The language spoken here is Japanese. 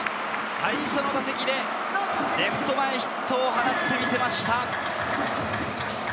最初の打席でレフト前ヒットを放って見せました。